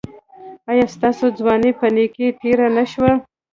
ایا ستاسو ځواني په نیکۍ تیره نه شوه؟